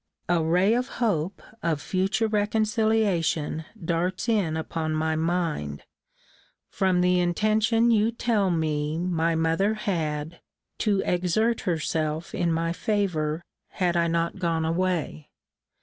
A ray of hope of future reconciliation darts in upon my mind, from the intention you tell me my mother had to exert herself in my favour, had I not gone away.